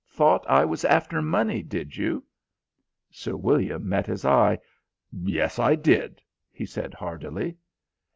Thought I was after money, did you?" Sir William met his eye. "Yes, I did," he said hardily.